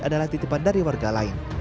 adalah titipan dari warga lain